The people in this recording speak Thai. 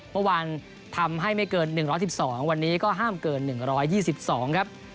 เมื่อวานทำให้ไม่เกิน๑๑๒วันนี้ก็ห้ามเกิน๑๒๒ครับ